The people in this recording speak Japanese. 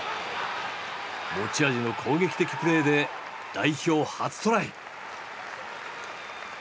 持ち味の攻撃的プレーで代表初トライ。